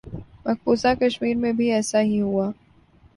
مقبوضہ کشمیر میں بھی ایسا ہی ہوا۔